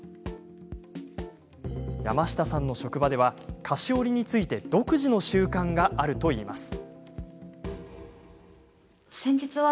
山下さんの職場では菓子折について独自の習慣があるといいます。